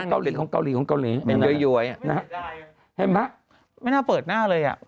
เกาหลีของเกาหลีของเกาหลีเป็นยวยนะฮะเห็นไหมไม่น่าเปิดหน้าเลยอ่ะ